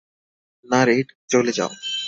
না রেড, চলে যাও।